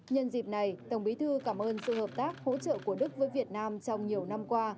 nhân dịp này tổng bí thư cảm ơn sự hợp tác hỗ trợ của đức với việt nam trong nhiều năm qua